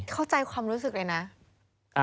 เข้าใจความรู้สึกเลยนะ